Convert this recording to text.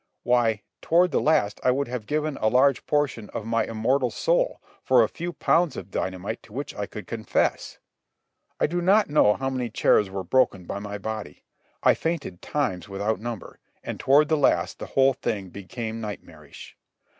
Why, toward the last I would have given a large portion of my immortal soul for a few pounds of dynamite to which I could confess. I do not know how many chairs were broken by my body. I fainted times without number, and toward the last the whole thing became nightmarish.